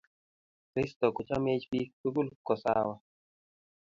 Kristo kochomech biik tukul kosawa